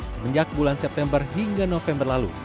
semenjak bulan september hingga november lalu